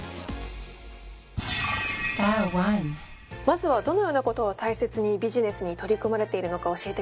まずはどのようなことを大切にビジネスに取り組まれているのか教えてください。